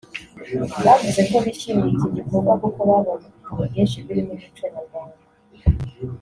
bavuze ko bishimiye iki gikorwa kuko babonye ibitabo byinshi birimo umuco nyarwanda